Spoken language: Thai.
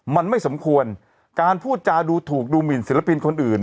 มันไม่สมควรการพูดจาดูถูกดูหมินศิลปินคนอื่น